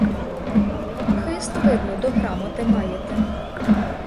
Хист, видно, до грамоти маєте.